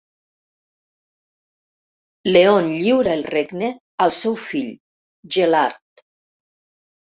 Leon lliura el regne al seu fill, Gellard.